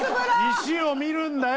石を見るんだよ！